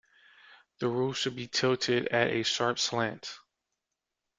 The roof should be tilted at a sharp slant.